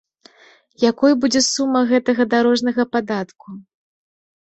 Якой будзе сума гэтага дарожнага падатку?